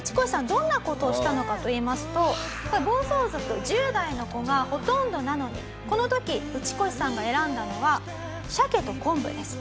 どんな事をしたのかといいますと暴走族１０代の子がほとんどなのにこの時ウチコシさんが選んだのはしゃけと昆布です。